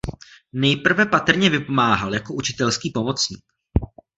Nejprve patrně vypomáhal jako učitelský pomocník.